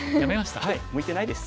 はい向いてないです。